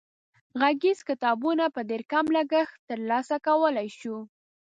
غږیز کتابونه په ډېر کم لګښت تر لاسه کولای شو.